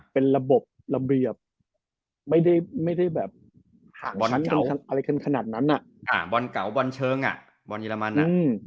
เป็นระบบระเบียบไม่ได้แบบหาบอลเกาะบอลเชิงบอลเยอรมัน